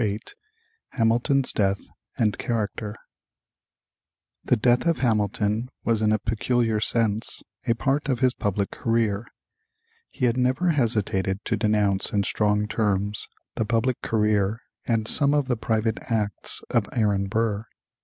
VIII HAMILTON'S DEATH AND CHARACTER The death of Hamilton was in a peculiar sense a part of his public career. He had never hesitated to denounce in strong terms the public career and some of the private acts of Aaron Burr.